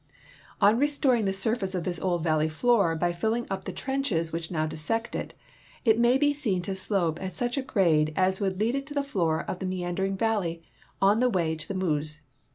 On restoring the surface of this old valle}' floor by filling up the trenches which now dissect it, it may he seen to slope at such a grade as would lead it to the floor of the meandering valley on the wa}" to the Meuse.